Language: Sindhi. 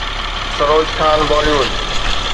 سروج خان بالي ووڊ